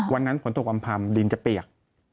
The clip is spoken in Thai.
วันนั้นฝนตกอำพำดินจะเปียก